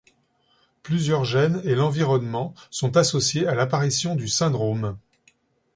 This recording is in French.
Plusieurs gènes et l'environnement sont associés à l'apparition du syndrome.